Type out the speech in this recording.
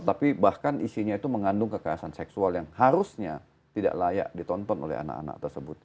tapi bahkan isinya itu mengandung kekerasan seksual yang harusnya tidak layak ditonton oleh anak anak tersebut